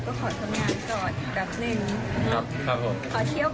ก็ขอทำงานก่อนแปบนึง